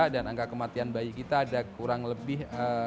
dan angka kematian bayi kita ada kurang lebih delapan belas